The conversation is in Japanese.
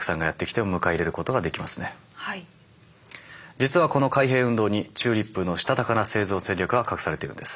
実はこの開閉運動にチューリップのしたたかな生存戦略が隠されてるんです。